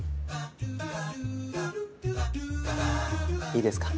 いいですか？